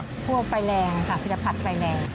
ครัวไฟแรงค่ะเขาจะพัดไฟแรง